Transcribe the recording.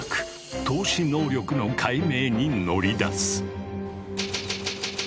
透視能力の解明に乗り出す。